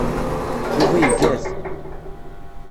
Yuba iga-t.